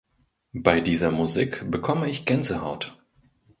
Bei dieser Musik bekomme ich Gänsehaut.